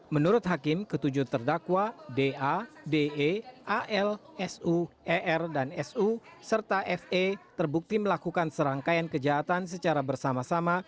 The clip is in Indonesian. menurut hakim ketujuh terdakwa da de al su er dan su serta fe terbukti melakukan serangkaian kejahatan secara bersama sama